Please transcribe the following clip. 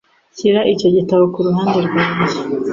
Shyira icyo gitabo ku ruhande rwanjye.